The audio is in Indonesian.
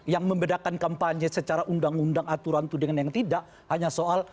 yang membedakan kampanye secara undang undang aturan itu dengan yang tidak hanya soal